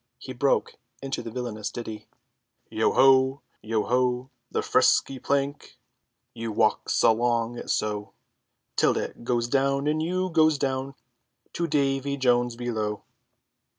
He broke into the villainous ditty: "Yo ho, yo ho, the frisky plank, You walks along it so, Till it goes down and you goes down To Davy Jones below!"